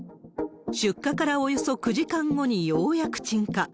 出火からおよそ９時間後にようやく鎮火。